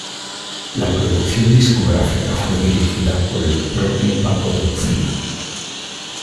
La producción discográfica fue dirigida por el propio Paco de Lucía.